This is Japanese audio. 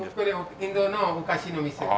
インドのお菓子の店です。